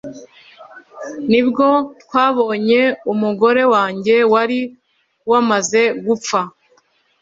nibwo twabonye umugore wanjye wari wamaze gupfa